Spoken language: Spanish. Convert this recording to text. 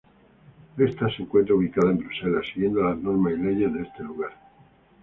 Esta se encuentra ubicada en Bruselas, siguiendo las normas y leyes de este lugar.